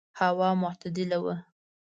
هوا معتدله وه.